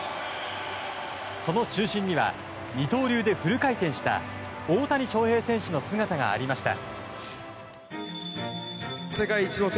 その中心には二刀流でフル回転した大谷翔平選手の姿がありました。